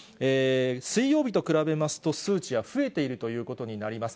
水曜日と比べますと数値は増えているということになります。